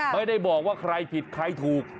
ไม่ได้บอกว่าใครผิดใครถูก